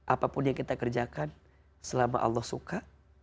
apapun yang kita kerjakan selama allah suka